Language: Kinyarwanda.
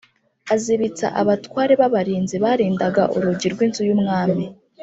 azibitsa abatware b’abarinzi barindaga urugi rw’inzu y’umwami